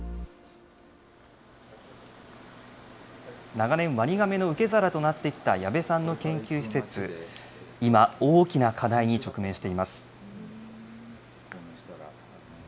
長年、ワニガメの受け皿となってきた矢部さんの研究施設、今、大きな課題に直面しています。